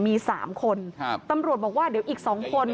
มี๓คนตำรวจบอกว่าเดี๋ยวอีกสองคน